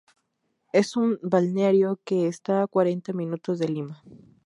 Es un balneario que está a cuarenta minutos de Lima.